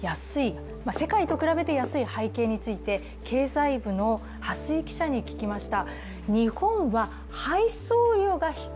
世界と比べて安い背景について経済部の蓮井記者に聞きました。